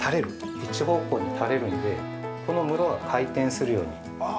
一方向に垂れるんで、この室は回転するように。